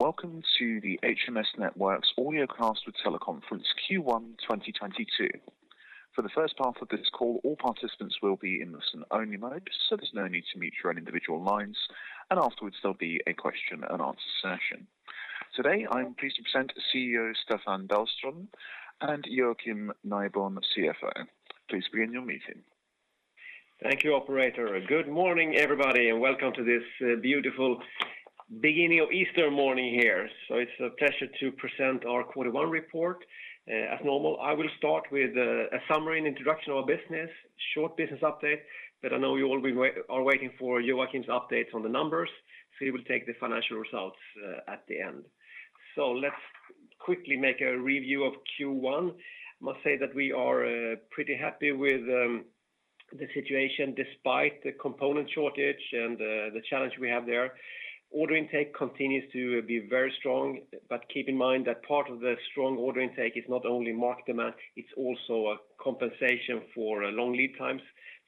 Welcome to the HMS Networks Audiocast with Teleconference Q1 2022. For the first half of this call, all participants will be in listen-only mode, so there's no need to mute your own individual lines, and afterwards there'll be a question-and-answer session. Today, I'm pleased to present CEO Staffan Dahlström and Joakim Nideborn, CFO. Please begin your meeting. Thank you, operator. Good morning, everybody, and welcome to this beautiful beginning of Easter morning here. It's a pleasure to present our quarter one report. As normal, I will start with a summary and introduction of our business, short business update, but I know you all are waiting for Joakim's updates on the numbers, so he will take the financial results at the end. Let's quickly make a review of Q1. I must say that we are pretty happy with the situation despite the component shortage and the challenge we have there. Order intake continues to be very strong, but keep in mind that part of the strong order intake is not only market demand, it's also a compensation for long lead times.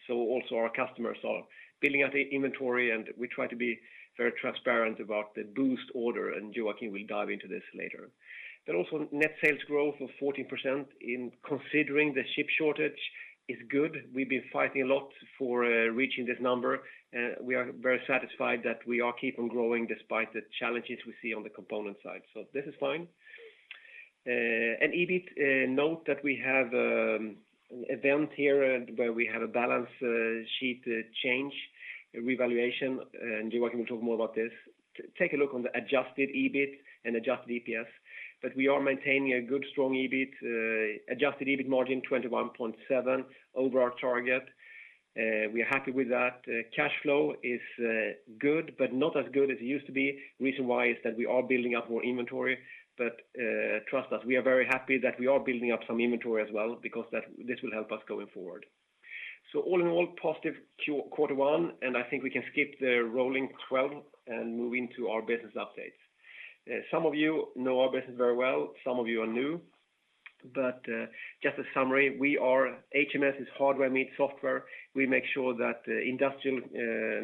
Also our customers are building out inventory, and we try to be very transparent about the boost order, and Joakim will dive into this later. Also net sales growth of 14% considering the chip shortage is good. We've been fighting a lot for reaching this number. We are very satisfied that we are keep on growing despite the challenges we see on the component side. This is fine. EBIT, note that we have event here where we have a balance sheet change revaluation, and Joakim will talk more about this. Take a look on the adjusted EBIT and adjusted EPS. We are maintaining a good strong EBIT, adjusted EBIT margin 21.7% over our target. We are happy with that. Cash flow is good, but not as good as it used to be. Reason why is that we are building up more inventory. Trust us, we are very happy that we are building up some inventory as well because that this will help us going forward. All in all, positive quarter one, and I think we can skip the rolling 12 and move into our business updates. Some of you know our business very well, some of you are new, but just a summary, we are HMS. HMS is hardware meets software. We make sure that industrial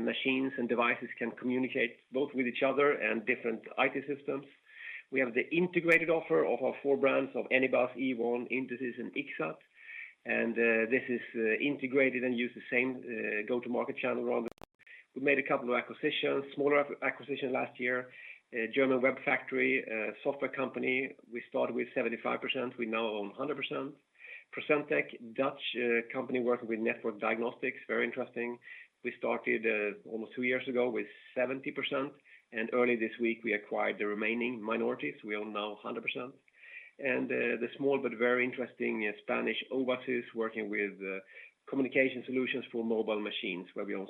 machines and devices can communicate both with each other and different IT systems. We have the integrated offer of our four brands of Anybus, Ewon, Intesis, and Ixxat. This is integrated and use the same go-to-market channel around the world. We made a couple of acquisitions, smaller acquisition last year. German WEBfactory, a software company. We started with 75%, we now own 100%. Procentec, Dutch company working with network diagnostics, very interesting. We started almost two years ago with 70%, and early this week we acquired the remaining minorities. We now own 100%. The small but very interesting Spanish Owasys working with communication solutions for mobile machines, where we own 60%.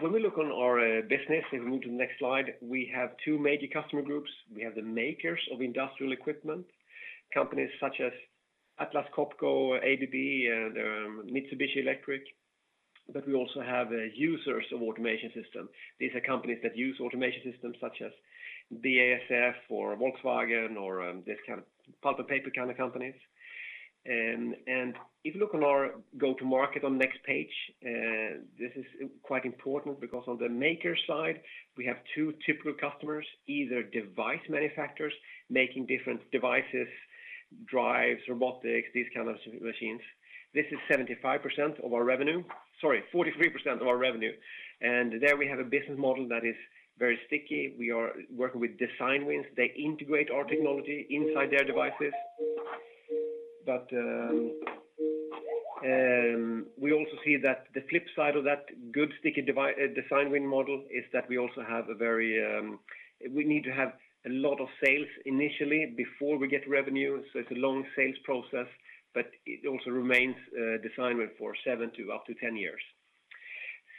When we look on our business, if we move to the next slide, we have two major customer groups. We have the makers of industrial equipment, companies such as Atlas Copco, ABB, Mitsubishi Electric, but we also have users of automation systems. These are companies that use automation systems such as BASF or Volkswagen or this kind of pulp-and-paper-kind of companies. If you look on our go-to-market on next page, this is quite important because on the maker side, we have two typical customers, either device manufacturers making different devices, drives, robotics, these kind of machines. This is 75% of our revenue. Sorry, 43% of our revenue. There we have a business model that is very sticky. We are working with design wins. They integrate our technology inside their devices. We also see that the flip side of that good sticky design win model is that we also have a very— We need to have a lot of sales initially before we get revenue. It is a long sales process, but it also remains design win for seven to up to 10 years.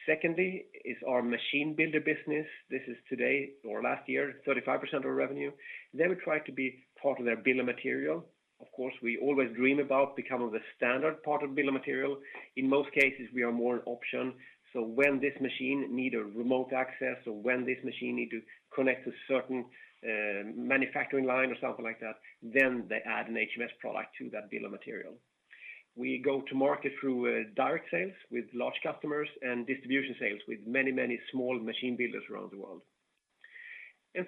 Secondly is our machine builder business. This is today or last year, 35% of our revenue. There we try to be part of their bill of material. Of course, we always dream about becoming the standard part of bill of material. In most cases, we are more an option. So when this machine need a remote access or when this machine need to connect a certain manufacturing line or something like that, then they add an HMS product to that bill of material. We go to market through direct sales with large customers and distribution sales with many, many small machine builders around the world.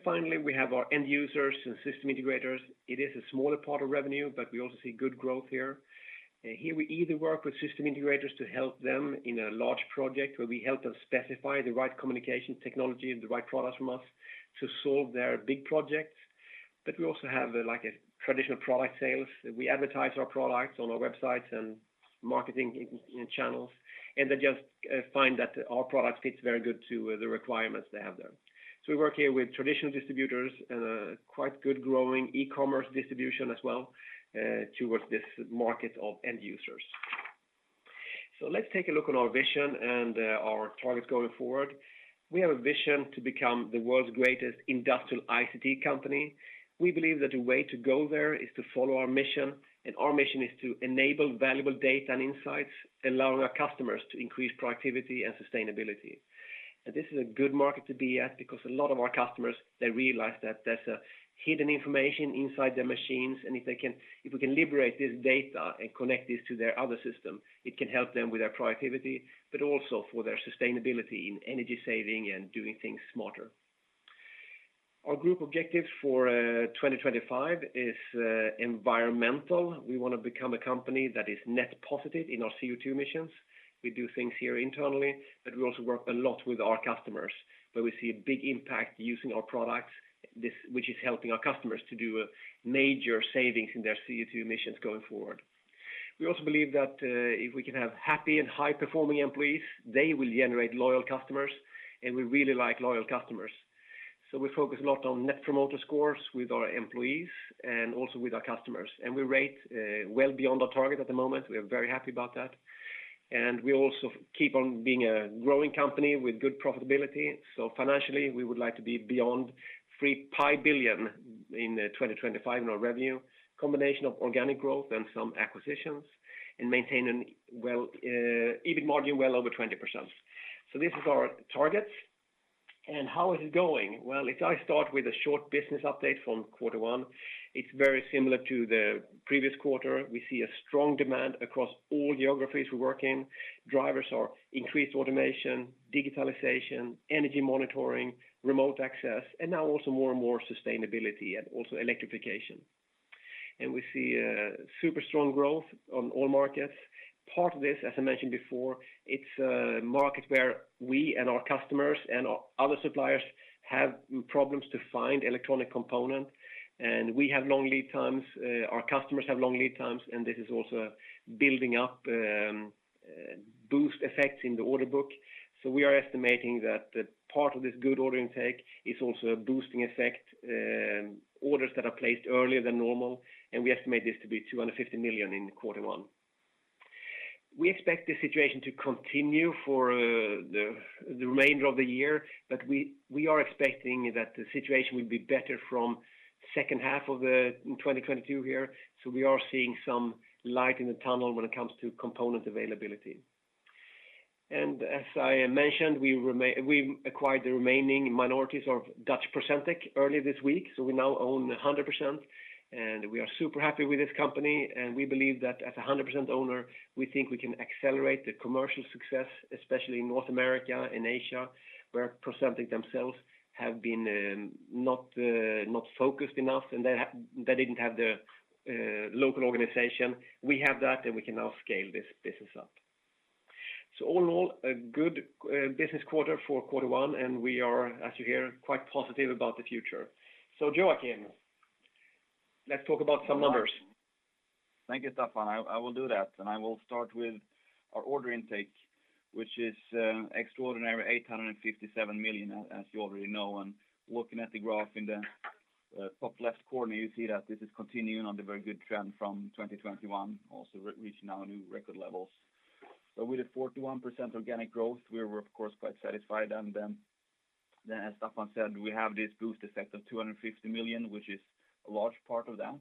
Finally, we have our end users and system integrators. It is a smaller part of revenue, but we also see good growth here. Here we either work with system integrators to help them in a large project, where we help them specify the right communication technology and the right products from us to solve their big projects. But we also have like a traditional product sales. We advertise our products on our websites and marketing channels, and they just find that our product fits very good to the requirements they have there. We work here with traditional distributors and a quite good growing e-commerce distribution as well towards this market of end users. Let's take a look on our vision and our targets going forward. We have a vision to become the world's greatest industrial ICT company. We believe that the way to go there is to follow our mission, and our mission is to enable valuable data and insights, allowing our customers to increase productivity and sustainability. This is a good market to be at because a lot of our customers, they realize that there's a hidden information inside their machines, and if we can liberate this data and connect this to their other system, it can help them with their productivity, but also for their sustainability in energy saving and doing things smarter. Our group objectives for 2025 is environmental. We want to become a company that is net positive in our CO2 emissions. We do things here internally, but we also work a lot with our customers, where we see a big impact using our products, which is helping our customers to do major savings in their CO2 emissions going forward. We also believe that if we can have happy and high-performing employees, they will generate loyal customers, and we really like loyal customers. We focus a lot on Net Promoter Score with our employees and also with our customers. We rate well beyond our target at the moment. We are very happy about that. We also keep on being a growing company with good profitability. Financially, we would like to be beyond 3 billion in 2025 in our revenue, combination of organic growth and some acquisitions, and maintain a well EBIT margin well over 20%. This is our targets. How is it going? Well, if I start with a short business update from quarter one, it's very similar to the previous quarter. We see a strong demand across all geographies we work in. Drivers are increased automation, digitalization, energy monitoring, remote access, and now also more and more sustainability and also electrification. We see super strong growth on all markets. Part of this, as I mentioned before, it's a market where we and our customers and other suppliers have problems to find electronic component. We have long lead times, our customers have long lead times, and this is also building up boost effects in the order book. We are estimating that that part of this good order intake is also a boosting effect, orders that are placed earlier than normal, and we estimate this to be 250 million in quarter one. We expect this situation to continue for the remainder of the year, but we are expecting that the situation will be better from second half of 2022 here. We are seeing some light in the tunnel when it comes to component availability. As I mentioned, we acquired the remaining minorities of Dutch Procentec earlier this week. We now own 100%, and we are super happy with this company. We believe that as a 100% owner, we think we can accelerate the commercial success, especially in North America and Asia, where Procentec themselves have been not focused enough, and they didn't have the local organization. We have that, and we can now scale this business up. All in all, a good business quarter for quarter one, and we are, as you hear, quite positive about the future. Joakim, let's talk about some numbers. Thank you, Staffan. I will do that, and I will start with our order intake, which is extraordinary 857 million, as you already know. Looking at the graph in the top left corner, you see that this is continuing on the very good trend from 2021, also reaching our new record levels. With a 41% organic growth, we were of course quite satisfied. Then as Staffan said, we have this boost effect of 250 million, which is a large part of that.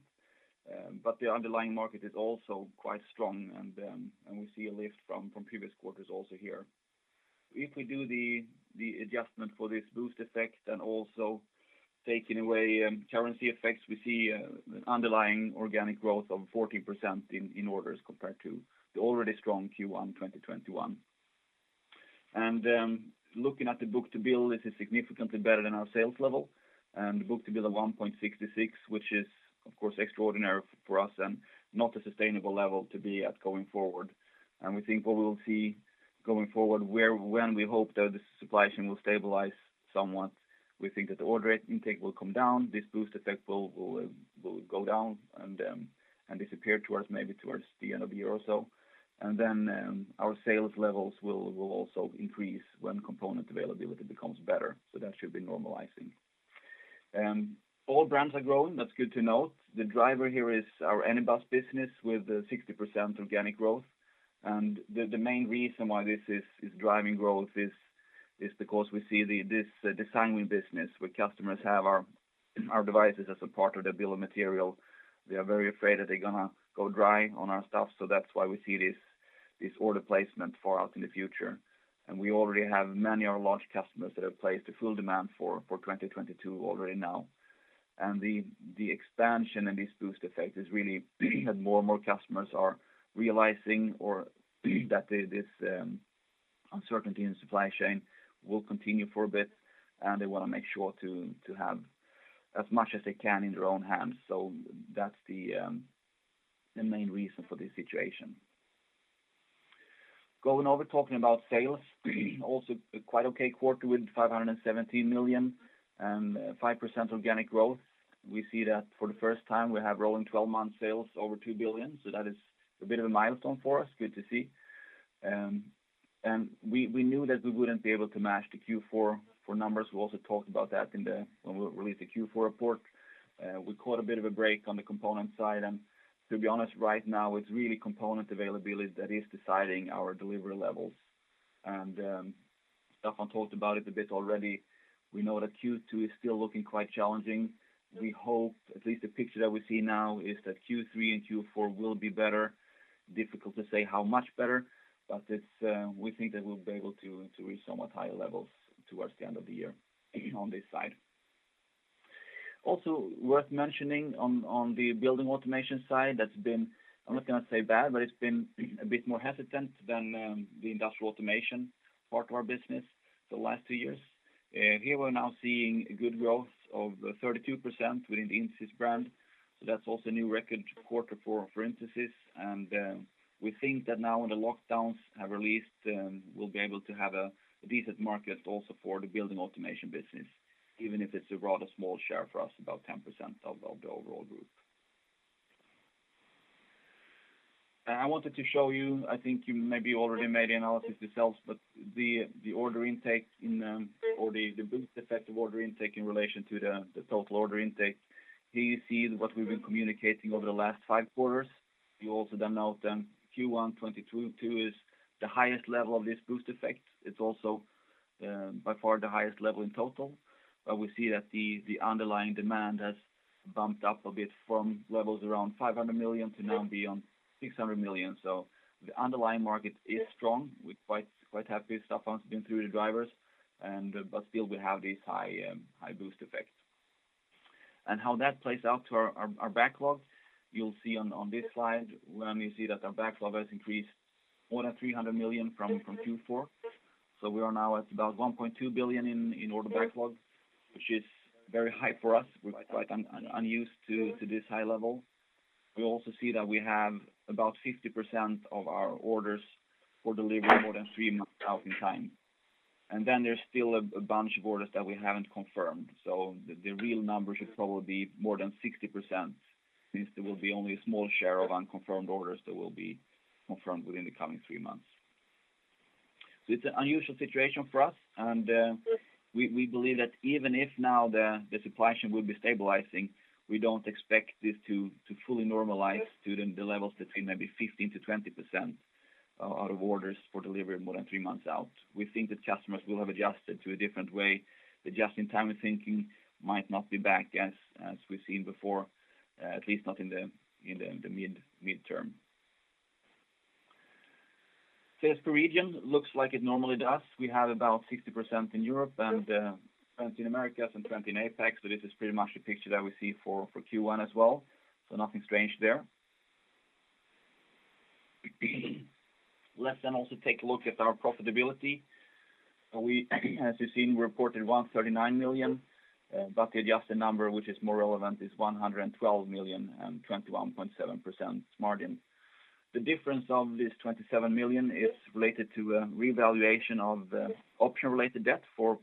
But the underlying market is also quite strong, and we see a lift from previous quarters also here. If we do the adjustment for this boost effect and also taking away currency effects, we see underlying organic growth of 14% in orders compared to the already strong Q1 2021. Looking at the book-to-bill, this is significantly better than our sales level. The book-to-bill of 1.66, which is of course extraordinary for us and not a sustainable level to be at going forward. We think what we will see going forward, where when we hope that the supply chain will stabilize somewhat, we think that the order intake will come down. This boost effect will go down and disappear towards maybe the end of the year or so. Then our sales levels will also increase when component availability becomes better. That should be normalizing. All brands are growing. That's good to note. The driver here is our Anybus business with 60% organic growth. The main reason why this is driving growth is because we see this design win business where customers have our devices as a part of their bill of material. They are very afraid that they're gonna go dry on our stuff. That's why we see this order placement far out in the future. We already have many of our large customers that have placed a full demand for 2022 already now. The expansion and this boost effect is really that more and more customers are realizing that this uncertainty in supply chain will continue for a bit, and they want to make sure to have as much as they can in their own hands. That's the main reason for this situation. Going over talking about sales, also quite okay quarter with 517 million and 5% organic growth. We see that for the first time we have rolling 12-month sales over 2 billion. That is a bit of a milestone for us. Good to see. We knew that we wouldn't be able to match the Q4 for numbers. We also talked about that when we released the Q4 report. We caught a bit of a break on the component side. To be honest, right now, it's really component availability that is deciding our delivery levels. Staffan talked about it a bit already. We know that Q2 is still looking quite challenging. We hope at least the picture that we see now is that Q3 and Q4 will be better. Difficult to say how much better, but it's we think that we'll be able to reach somewhat higher levels towards the end of the year on this side. Also worth mentioning on the building automation side, that's been, I'm not gonna say bad, but it's been a bit more hesitant than the industrial automation part of our business the last two years. Here we're now seeing a good growth of 32% within the Intesis brand. So that's also a new record quarter for Intesis. We think that now when the lockdowns have released, we'll be able to have a decent market also for the building automation business, even if it's a rather small share for us, about 10% of the overall group. I wanted to show you, I think you maybe already made the analysis yourselves, but the order intake or the boost effect of order intake in relation to the total order intake. Here you see what we've been communicating over the last five quarters. You also note Q1 2022 is the highest level of this boost effect. It's also by far the highest level in total. But we see that the underlying demand has bumped up a bit from levels around 500 million to now beyond 600 million. The underlying market is strong. We're quite happy Staffan's been through the drivers. Still we have this high boost effect. How that plays out to our backlog, you'll see on this slide when we see that our backlog has increased more than 300 million from Q4. We are now at about 1.2 billion in order backlog, which is very high for us. We're quite unused to this high level. We also see that we have about 50% of our orders for delivery more than three months out in time. There's still a bunch of orders that we haven't confirmed. The real number should probably be more than 60%, since there will be only a small share of unconfirmed orders that will be confirmed within the coming three months. It's an unusual situation for us, and we believe that even if now the supply chain will be stabilizing, we don't expect this to fully normalize to the levels between maybe 15%-20% out of orders for delivery more than three months out. We think that customers will have adjusted to a different way. The just-in-time thinking might not be back as we've seen before, at least not in the midterm. Sales per region looks like it normally does. We have about 60% in Europe, and 20% in Americas and 20% in APAC. This is pretty much the picture that we see for Q1 as well, so nothing strange there. Let's then also take a look at our profitability. We, as you've seen, we reported 139 million, but the adjusted number, which is more relevant, is 112 million and 21.7% margin. The difference of this 27 million is related to a revaluation of option-related debt for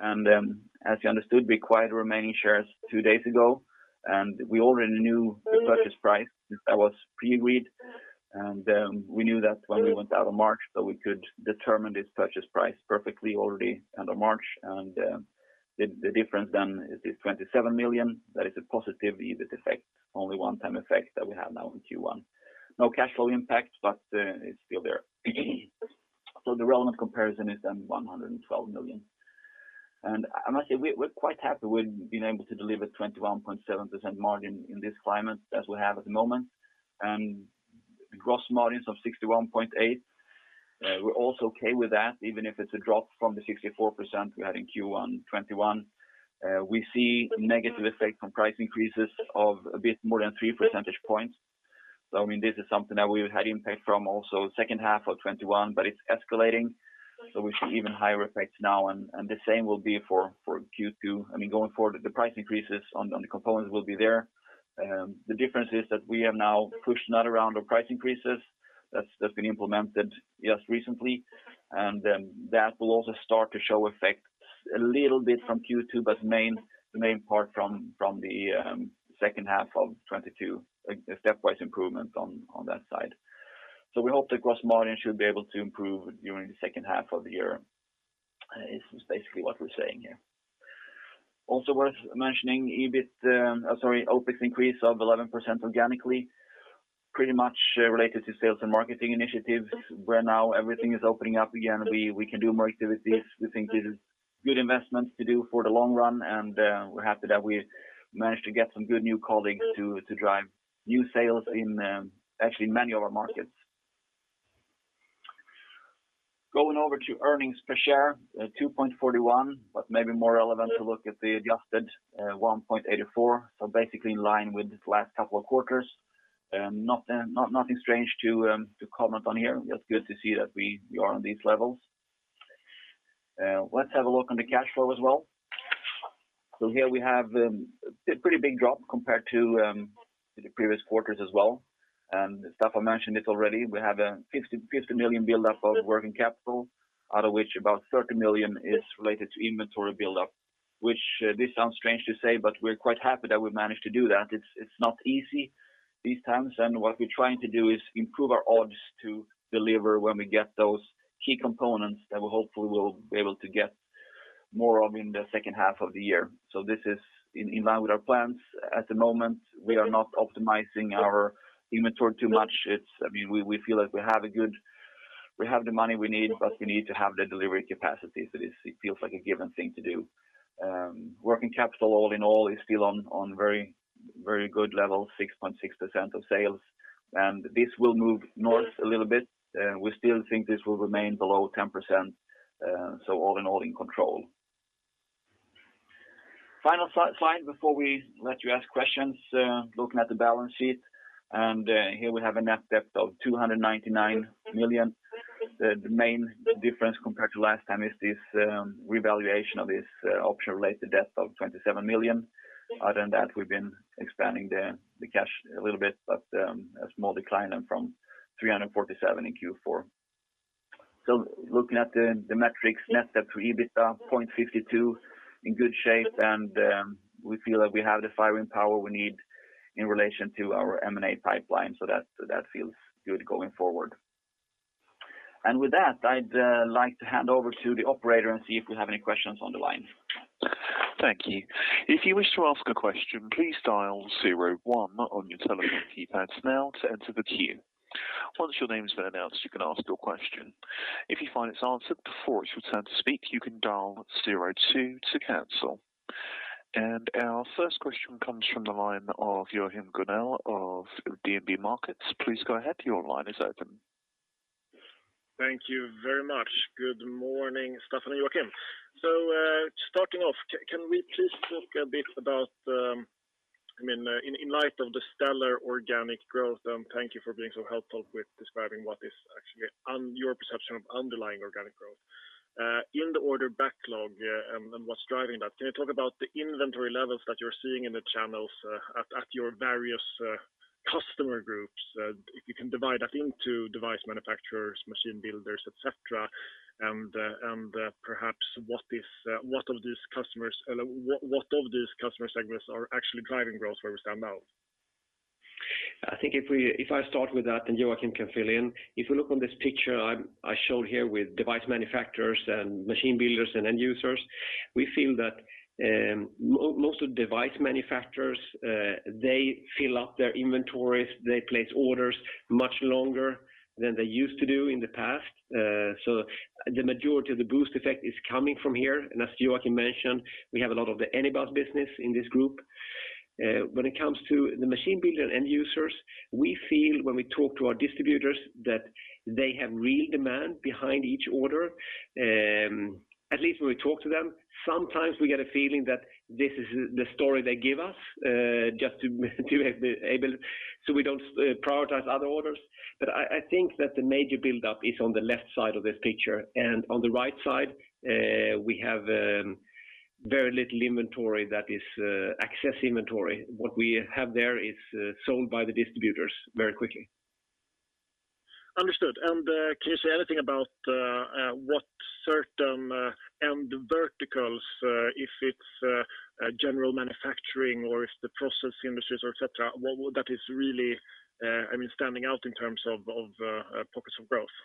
Procentec. As you understood, we acquired the remaining shares two days ago, and we already knew the purchase price. That was pre-read. We knew that when we went out of March, so we could determine this purchase price perfectly already end of March. The difference then is this 27 million. That is a positive EBIT effect, only one-time effect that we have now in Q1. No cash flow impact, but it's still there. The relevant comparison is then 112 million. I must say we're quite happy with being able to deliver 21.7% margin in this climate as we have at the moment. Gross margins of 61.8%. We're also okay with that, even if it's a drop from the 64% we had in Q1 2021. We see negative effect from price increases of a bit more than 3 percentage points. I mean, this is something that we had impact from also second half of 2021, but it's escalating, so we see even higher effects now and the same will be for Q2. I mean, going forward, the price increases on the components will be there. The difference is that we have now pushed another round of price increases that's been implemented just recently. That will also start to show effects a little bit from Q2, but the main part from the second half of 2022, a stepwise improvement on that side. We hope the gross margin should be able to improve during the second half of the year, is basically what we're saying here. Also worth mentioning, EBIT, sorry, OpEx increase of 11% organically, pretty much related to sales and marketing initiatives, where now everything is opening up again. We can do more activities. We think this is good investments to do for the long run, and we're happy that we managed to get some good new colleagues to drive new sales in actually many of our markets. Going over to earnings per share, 2.41, but maybe more relevant to look at the adjusted, 1.84. Basically in line with the last couple of quarters. Nothing strange to comment on here. It's good to see that we are on these levels. Let's have a look on the cash flow as well. Here we have a pretty big drop compared to the previous quarters as well. Staffan mentioned it already. We have a 50 million buildup of working capital, out of which about 30 million is related to inventory buildup, which this sounds strange to say, but we're quite happy that we managed to do that. It's not easy these times. What we're trying to do is improve our odds to deliver when we get those key components that we hopefully will be able to get more of in the second half of the year. This is in line with our plans at the moment. We are not optimizing our inventory too much. We feel like we have the money we need, but we need to have the delivery capacity. This, it feels like a given thing to do. Working capital all in all is still on very good level, 6.6% of sales. This will move north a little bit. We still think this will remain below 10%, All in all, in control. Final slide before we let you ask questions, looking at the balance sheet, and here we have a net debt of 299 million. The main difference compared to last time is this revaluation of this option-related debt of 27 million. Other than that, we've been expanding the cash a little bit, but a small decline then from 347 in Q4. Looking at the metrics, net debt to EBITDA 0.52 in good shape. We feel that we have the firing power we need in relation to our M&A pipeline, so that feels good going forward. With that, I'd like to hand over to the operator and see if we have any questions on the line. Thank you. If you wish to ask a question, please dial zero one on your telephone keypads now to enter the queue. Once your name has been announced, you can ask your question. If you find it's answered before it's your turn to speak, you can dial zero two to cancel. Our first question comes from the line of Joachim Gunell of DNB Markets. Please go ahead. Your line is open. Thank you very much. Good morning, Staffan and Joakim. I mean, in light of the stellar organic growth, thank you for being so helpful with describing what is actually your perception of underlying organic growth in the order backlog and what's driving that. Can you talk about the inventory levels that you're seeing in the channels at your various customer groups? If you can divide that into device manufacturers, machine builders, et cetera, and perhaps what of these customers, what of these customer segments are actually driving growth where we stand now? I think if I start with that, and Joakim can fill in, if we look at this picture, I showed here with device manufacturers and machine builders and end users, we feel that most of the device manufacturers, they fill up their inventories. They place orders much longer than they used to do in the past. The majority of the boost effect is coming from here. As Joakim mentioned, we have a lot of the Anybus business in this group. When it comes to the machine builders and end users, we feel when we talk to our distributors that they have real demand behind each order, at least when we talk to them. Sometimes we get a feeling that this is the story they give us just to be able, so we don't prioritize other orders. I think that the major buildup is on the left side of this picture. On the right side, we have very little inventory that is excess inventory. What we have there is sold by the distributors very quickly. Understood. Can you say anything about what certain end verticals, if it's general manufacturing or if the process industries or et cetera, that is really, I mean, standing out in terms of pockets of growth?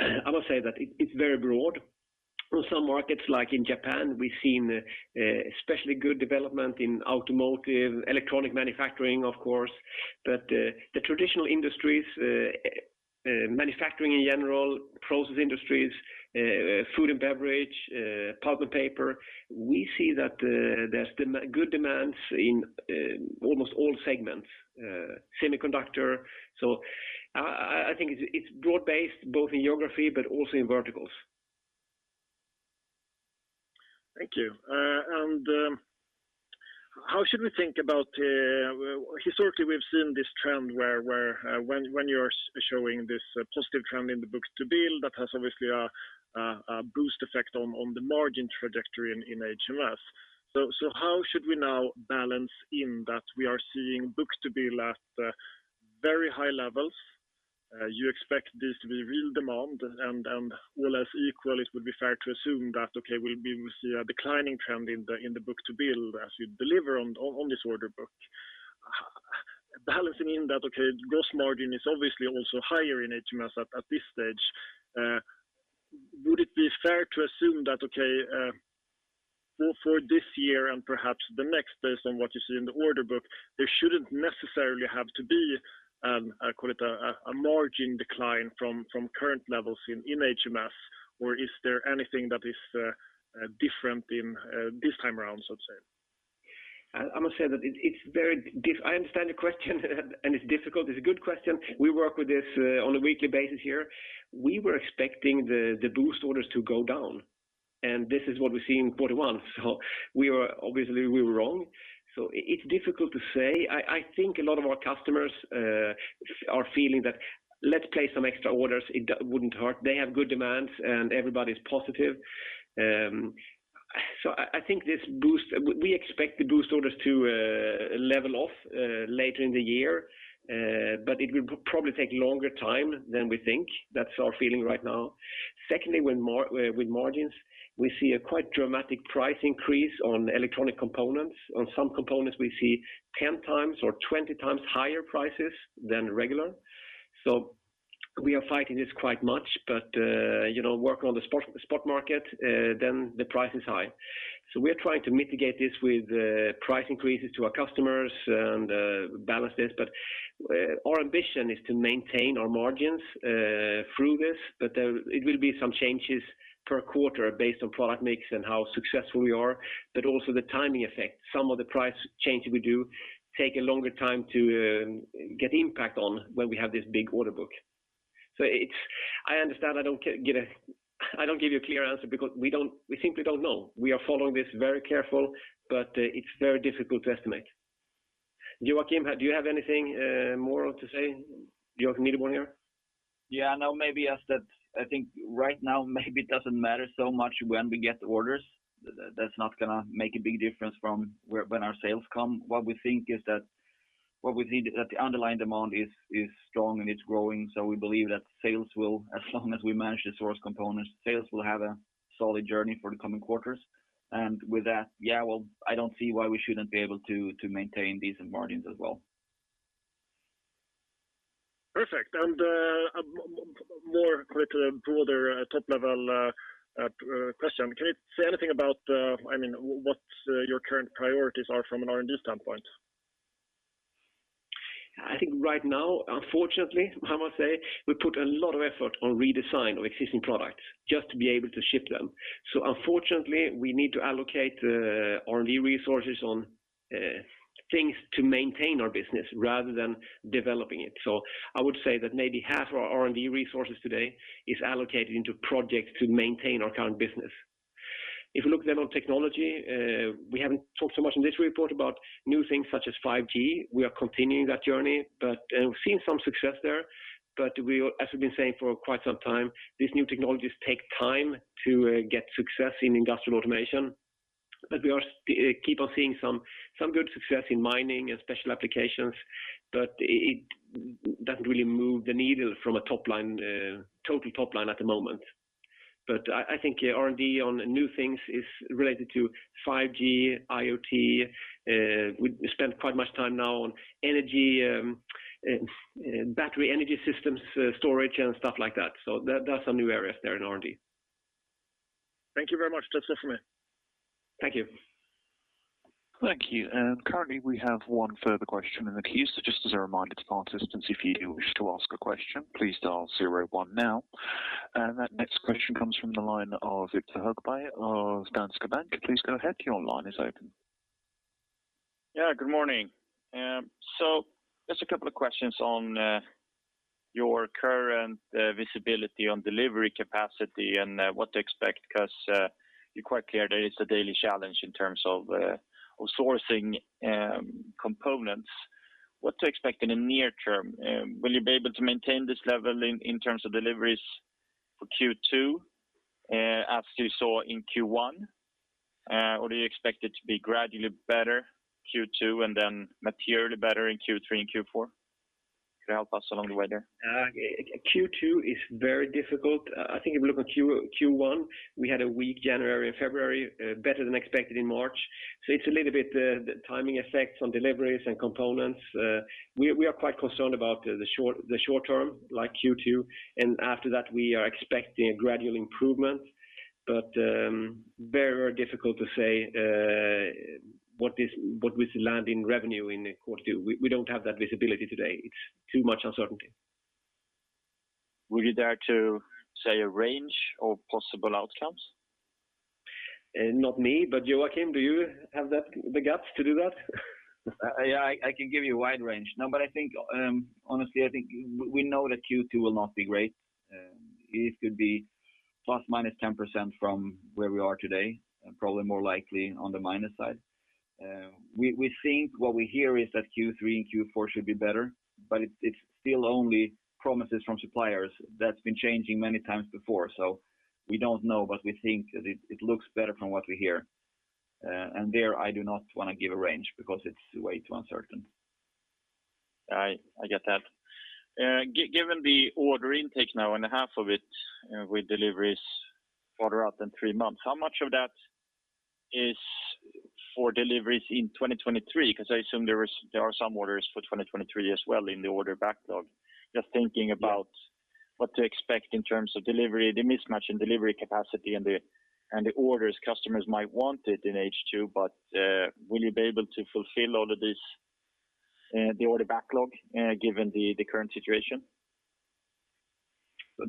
I must say that it's very broad. On some markets like in Japan, we've seen especially good development in automotive, electronic manufacturing, of course. The traditional industries, manufacturing in general, process industries, food and beverage, pulp and paper, we see that there's good demands in almost all segments, semiconductor. I think it's broad-based both in geography but also in verticals. Thank you. How should we think about historically we've seen this trend where when you're showing this positive trend in the book-to-bill, that has obviously a boost effect on the margin trajectory in HMS. How should we now balance in that we are seeing book-to-bill at very high levels? You expect this to be real demand, and more or less equally, it would be fair to assume that okay we'll be seeing a declining trend in the book-to-bill as you deliver on this order book. Balancing in that okay gross margin is obviously also higher in HMS at this stage. Would it be fair to assume that for this year and perhaps the next based on what you see in the order book, there shouldn't necessarily have to be I call it a margin decline from current levels in HMS, or is there anything that is different in this time around, so to say? I must say that it's very difficult. I understand the question and it's difficult. It's a good question. We work with this on a weekly basis here. We were expecting the boost orders to go down, and this is what we see in quarter one. We were obviously wrong. It's difficult to say. I think a lot of our customers are feeling that let's place some extra orders. It wouldn't hurt. They have good demands, and everybody's positive. I think this boost, we expect the boost orders to level off later in the year. It will probably take longer time than we think. That's our feeling right now. Secondly, with margins, we see a quite dramatic price increase on electronic components. On some components, we see 10 times or 20 times higher prices than regular. We are fighting this quite much, but you know, working on the spot market, then the price is high. We are trying to mitigate this with price increases to our customers and balance this. Our ambition is to maintain our margins through this. There it will be some changes per quarter based on product mix and how successful we are, but also the timing effect. Some of the price changes we do take a longer time to get impact on when we have this big order book. I understand I don't give you a clear answer because we simply don't know. We are following this very careful, but it's very difficult to estimate. Joakim, do you have anything more to say? [Joakim Nideborn] here. Yeah. No, maybe that's, I think right now, maybe it doesn't matter so much when we get the orders. That's not gonna make a big difference when our sales come. What we think is that the underlying demand is strong and it's growing, so we believe that sales will, as long as we manage to source components, sales will have a solid journey for the coming quarters. With that, yeah, well, I don't see why we shouldn't be able to maintain decent margins as well. Perfect. More with the broader top level question. Can you say anything about, I mean, what your current priorities are from an R&D standpoint? I think right now, unfortunately, I must say, we put a lot of effort on redesign of existing products just to be able to ship them. Unfortunately, we need to allocate R&D resources on things to maintain our business rather than developing it. I would say that maybe half of our R&D resources today is allocated into projects to maintain our current business. If you look then on technology, we haven't talked so much in this report about new things such as 5G. We are continuing that journey, but we've seen some success there. As we've been saying for quite some time, these new technologies take time to get success in industrial automation. We keep on seeing some good success in mining and special applications, but it doesn't really move the needle from a top line, total top line at the moment. I think R&D on new things is related to 5G, IoT. We spend quite much time now on energy, battery energy systems, storage and stuff like that. That's some new areas there in R&D. Thank you very much. That's it for me. Thank you. Thank you. Currently, we have one further question in the queue. Just as a reminder to participants, if you wish to ask a question, please dial zero one now. That next question comes from the line of Viktor Högberg of Danske Bank. Please go ahead, your line is open. Yeah, good morning. So just a couple of questions on your current visibility on delivery capacity and what to expect, 'cause you're quite clear there is a daily challenge in terms of sourcing components. What to expect in the near term? Will you be able to maintain this level in terms of deliveries for Q2 as you saw in Q1? Do you expect it to be gradually better Q2 and then materially better in Q3 and Q4? Can you help us along the way there? Q2 is very difficult. I think if you look on Q1, we had a weak January and February, better than expected in March. It's a little bit the timing effects on deliveries and components. We are quite concerned about the short term, like Q2, and after that, we are expecting a gradual improvement. Very difficult to say what we land in revenue in Q2. We don't have that visibility today. It's too much uncertainty. Would you dare to say a range of possible outcomes? Not me, but Joakim, do you have that, the guts to do that? Yeah, I can give you a wide range. No, I think, honestly, I think we know that Q2 will not be great. It could be ±10% from where we are today, probably more likely on the minus side. We think what we hear is that Q3 and Q4 should be better, but it's still only promises from suppliers that's been changing many times before. We don't know, but we think that it looks better from what we hear. There, I do not wanna give a range because it's way too uncertain. I get that. Given the order intake now and a half of it with deliveries further out than three months, how much of that is for deliveries in 2023? 'Cause I assume there are some orders for 2023 as well in the order backlog. Just thinking about what to expect in terms of delivery, the mismatch in delivery capacity and the orders customers might want it in H2, but will you be able to fulfill all of this, the order backlog, given the current situation?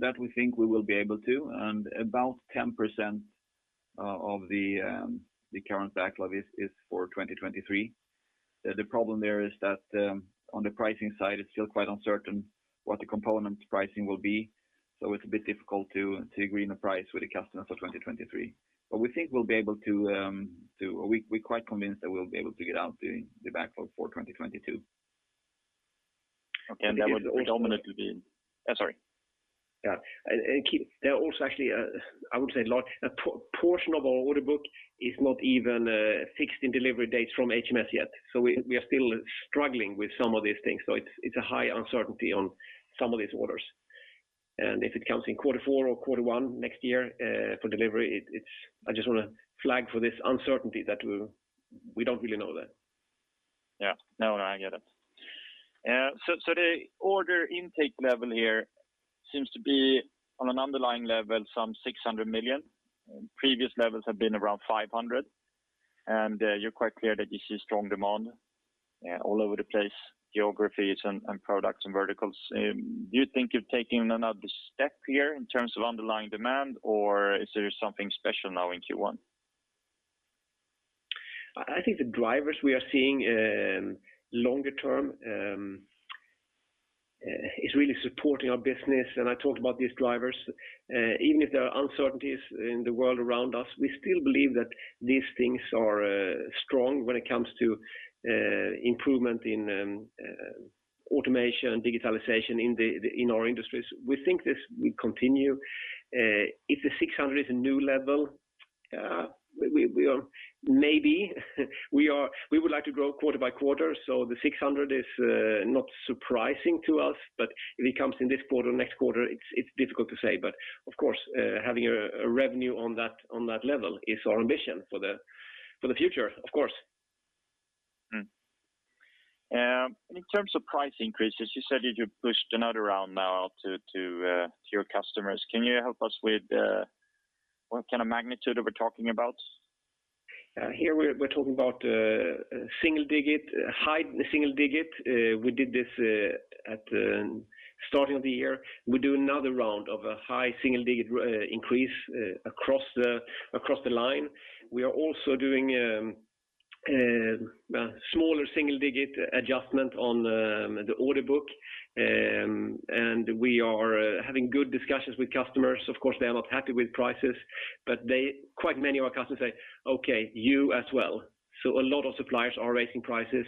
That we think we will be able to, and about 10% of the current backlog is for 2023. The problem there is that, on the pricing side, it's still quite uncertain what the component pricing will be. It's a bit difficult to agree on a price with the customers for 2023. We think we'll be able to. We're quite convinced that we'll be able to get out the backlog for 2022. Okay. I'm sorry. There are also actually, I would say a portion of our order book is not even fixed in delivery dates from HMS yet. We are still struggling with some of these things. It's a high uncertainty on some of these orders. If it comes in quarter four or quarter one next year for delivery, I just wanna flag for this uncertainty that we don't really know that. Yeah. No, no, I get it. The order intake level here seems to be on an underlying level, some 600 million. Previous levels have been around 500 million. You're quite clear that you see strong demand all over the place, geographies and products and verticals. Do you think you're taking another step here in terms of underlying demand, or is there something special now in Q1? I think the drivers we are seeing longer term is really supporting our business, and I talked about these drivers. Even if there are uncertainties in the world around us, we still believe that these things are strong when it comes to improvement in automation and digitalization in our industries. We think this will continue. If 600 million is a new level, maybe. We would like to grow quarter-by-quarter, so 600 million is not surprising to us. If it comes in this quarter or next quarter, it's difficult to say. Of course, having a revenue on that level is our ambition for the future, of course. In terms of price increases, you said that you pushed another round now to your customers. Can you help us with what kind of magnitude are we talking about? Here we're talking about single digit, high single digit. We did this at the start of the year. We do another round of a high single-digit increase across the line. We are also doing a smaller single-digit adjustment on the order book. We are having good discussions with customers. Of course, they are not happy with prices, but quite many of our customers say, "Okay, you as well." A lot of suppliers are raising prices.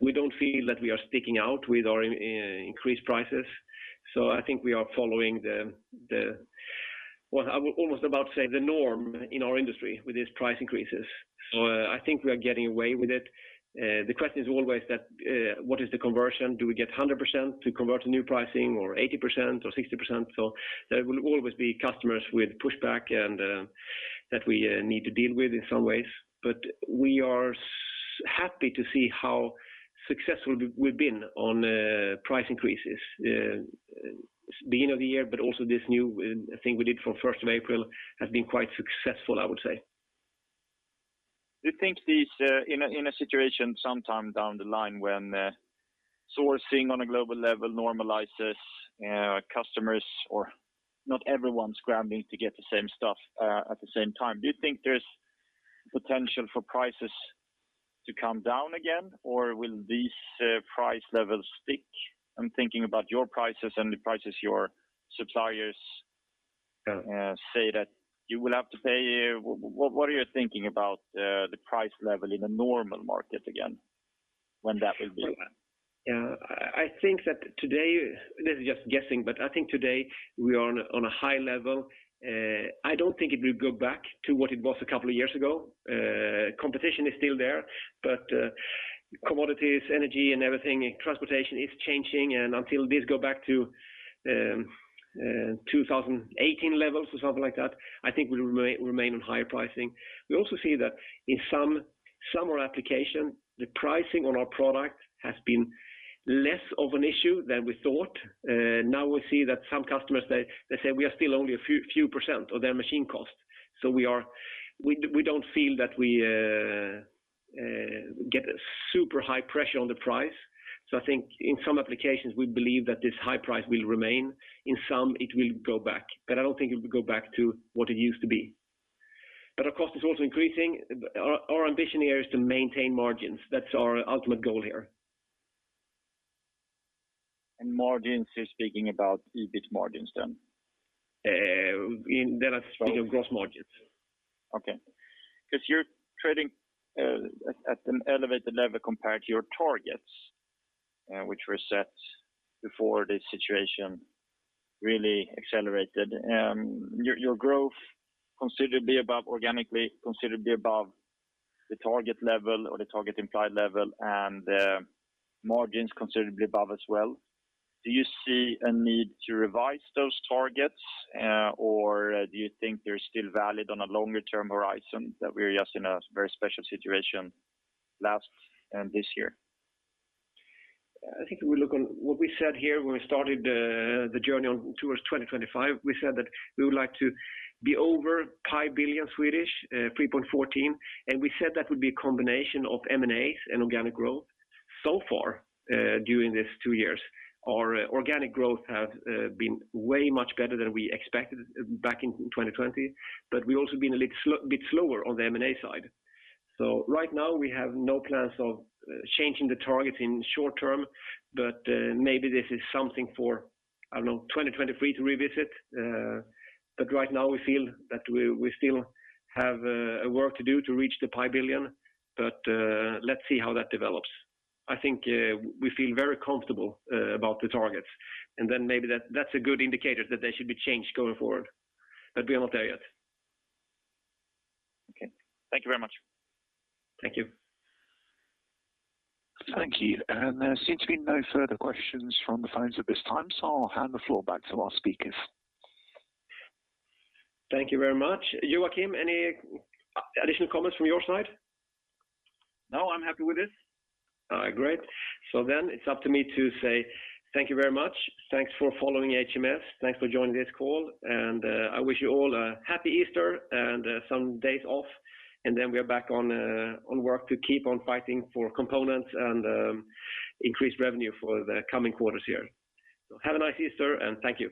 We don't feel that we are sticking out with our increased prices. I think we are following the— well, I was almost about to say the norm in our industry with these price increases. I think we are getting away with it. The question is always that, what is the conversion? Do we get 100% to convert to new pricing or 80% or 60%? There will always be customers with pushback that we need to deal with in some ways. We are happy to see how successful we've been on price increases beginning of the year, but also this new thing we did from 1st of April has been quite successful, I would say. Do you think these in a situation sometime down the line when sourcing on a global level normalizes, customers or not everyone's scrambling to get the same stuff at the same time. Do you think there's potential for prices to come down again, or will these price levels stick? I'm thinking about your prices and the prices your suppliers say that you will have to pay. What are you thinking about the price level in a normal market again, when that will be? Yeah. I think that today, this is just guessing, but I think today we are on a high level. I don't think it will go back to what it was a couple of years ago. Competition is still there, but commodities, energy and everything, transportation is changing. Until this go back to 2018 levels or something like that, I think we remain on higher pricing. We also see that in some of our application, the pricing on our product has been less of an issue than we thought. Now we see that some customers, they say we are still only a few percent of their machine cost. We don't feel that we get a super high pressure on the price. I think in some applications, we believe that this high price will remain. In some, it will go back, but I don't think it will go back to what it used to be. Of course, it's also increasing. Our ambition here is to maintain margins. That's our ultimate goal here. Margins, you're speaking about EBIT margins then? They are speaking of gross margins. Okay. 'Cause you're trading at an elevated level compared to your targets, which were set before this situation really accelerated. Your growth considerably above organically, considerably above the target level or the target implied level and margins considerably above as well. Do you see a need to revise those targets, or do you think they're still valid on a longer-term horizon that we're just in a very special situation last and this year? I think if we look on what we said here when we started, the journey on towards 2025, we said that we would like to be over 5 billion, 3.14, and we said that would be a combination of M&As and organic growth. So far, during this two years, our organic growth has been way much better than we expected back in 2020, but we've also been a little bit slower on the M&A side. Right now, we have no plans of changing the target in short term, but maybe this is something for, I don't know, 2023 to revisit. Right now, we feel that we still have work to do to reach the 5 billion. Let's see how that develops. I think, we feel very comfortable about the targets. Maybe that's a good indicator that they should be changed going forward, but we are not there yet. Okay. Thank you very much. Thank you. Thank you. There seems to be no further questions from the phones at this time, so I'll hand the floor back to our speakers. Thank you very much. Joakim, any additional comments from your side? No, I'm happy with this. All right, great. It's up to me to say thank you very much. Thanks for following HMS. Thanks for joining this call, and I wish you all a Happy Easter and some days off. We are back on work to keep on fighting for components and increased revenue for the coming quarters here. Have a nice Easter, and thank you.